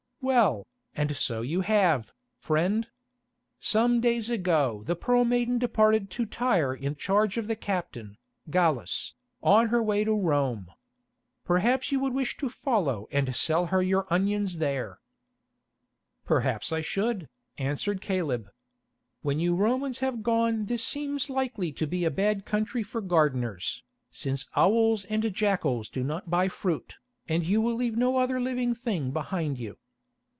"Well, and so you have, friend. Some days ago the Pearl Maiden departed to Tyre in charge of the captain, Gallus, on her way to Rome. Perhaps you would wish to follow and sell her your onions there." "Perhaps I should," answered Caleb. "When you Romans have gone this seems likely to become a bad country for gardeners, since owls and jackals do not buy fruit, and you will leave no other living thing behind you."